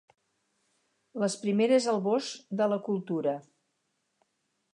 Les primeres albors de la cultura.